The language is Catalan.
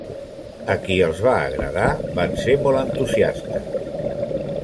A qui els va agradar van ser molt entusiastes.